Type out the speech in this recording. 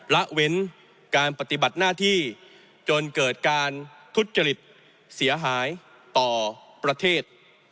ละเว้นการปฏิบัติหน้าที่จนเกิดการทุจริตเสียหายต่อประเทศ